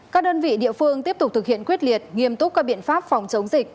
các đơn vị địa phương tiếp tục thực hiện quyết liệt nghiêm túc các biện pháp phòng chống dịch